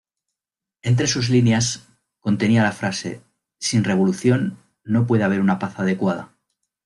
Entre sus líneas, contenía la frase "Sin revolución, no puede haber una paz adecuada".